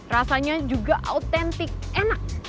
rasanya juga autentik enak